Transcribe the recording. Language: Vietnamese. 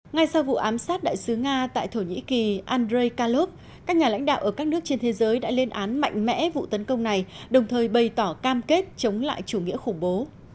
ngay sau vụ ám sát đại sứ nga tại thổ nhĩ kỳ andrei kalov các nhà lãnh đạo ở các nước trên thế giới đã lên án mạnh mẽ vụ tấn công này đồng thời bày tỏ cam kết chống lại chủ nghĩa khủng bố